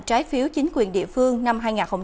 trái phiếu chính quyền địa phương năm hai nghìn hai mươi